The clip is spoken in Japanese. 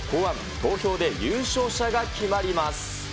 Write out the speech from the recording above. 投票で優勝者が決まります。